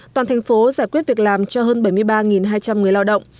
toàn thành phố giải quyết việc làm cho hơn bảy mươi ba hai trăm linh người lao động